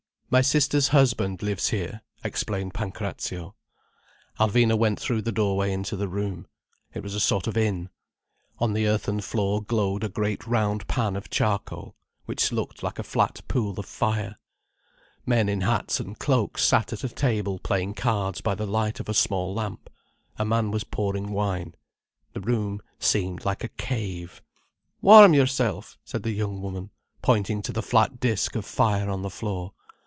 "My sister's husband lives here," explained Pancrazio. Alvina went through the doorway into the room. It was a sort of inn. On the earthen floor glowed a great round pan of charcoal, which looked like a flat pool of fire. Men in hats and cloaks sat at a table playing cards by the light of a small lamp, a man was pouring wine. The room seemed like a cave. "Warm yourself," said the young woman, pointing to the flat disc of fire on the floor.